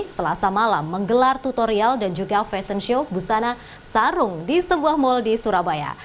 selasa malam menggelar tutorial dan juga fashion show busana sarung di sebuah mal di surabaya